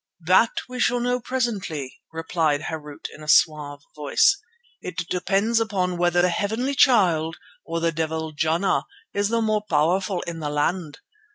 "That we shall know presently," replied Harût in a suave voice. "It depends upon whether the Heavenly Child or the devil Jana is the more powerful in the land.